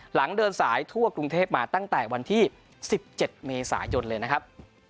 หลังเดินสายทั่วกรุงเทพมาตั้งแต่วันที่๑๗เมษายนเลยนะครับ